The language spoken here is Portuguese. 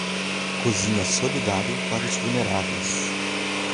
Cozinha solidária para os vulneráveis